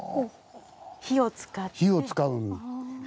火を使って。